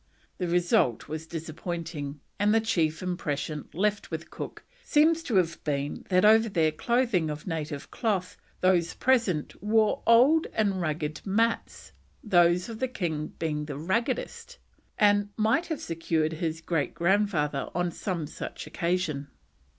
The result was disappointing, and the chief impression left with Cook seems to have been that over their clothing of native cloth, those present wore old and ragged mats; those of the king being the raggedest, and "might have served his great grandfather on some such like occasion."